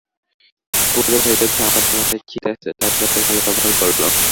বুড়ো ভেবেছে আমাদের মাথায় ছিট আছে, তাও কত ভালো ব্যবহার করল।